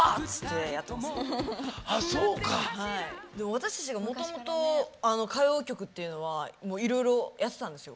私たちがもともと歌謡曲っていうのはいろいろやってたんですよ。